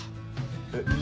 えっ。